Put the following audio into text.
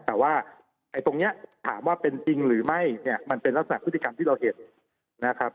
แต่ว่าไอ้ตรงนี้ถามว่าเป็นจริงหรือไม่เนี่ยมันเป็นลักษณะพฤติกรรมที่เราเห็นนะครับ